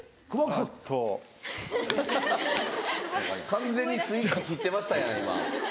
完全にスイッチ切ってましたやん今。